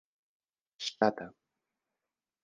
ŝtata